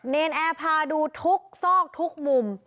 เนรนแอร์พาดูทุกซอกทุกมุม